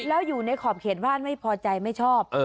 แล้วอยู่ในขอบเขตบ้านไม่พอใจไม่ชอบ